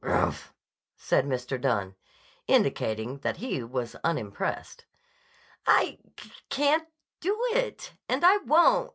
"Grmph!" said Mr. Dunne, indicating that he was unimpressed. "I c c c can't do it and I won't!"